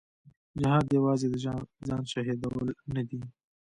جهاد یوازې د ځان شهیدول نه دي.